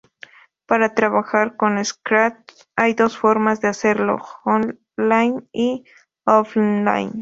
Para trabajar con Scratch, hay dos formas de hacerlo: online y offline.